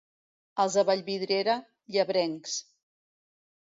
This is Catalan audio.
Els de Vallvidrera, llebrencs.